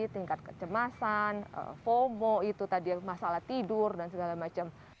tingkat kecemasan fomo itu tadi masalah tidur dan segala macam